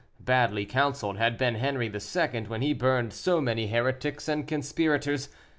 Badly counseled had been Henri II. when he burned so many heretics and conspirators.